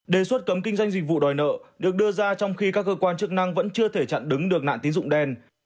đề xuất cấm kinh doanh dịch vụ đòi nợ được đưa ra trong khi các cơ quan chức năng vẫn chưa thể chặn đứng được nạn tín dụng đen